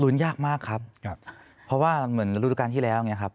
ลุ้นยากมากครับเพราะว่าเหมือนธุรการที่แล้วเนี่ยครับ